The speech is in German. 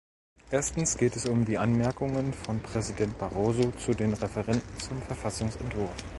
Erstens geht es um die Anmerkungen von Präsident Barroso zu den Referenden zum Verfassungsentwurf.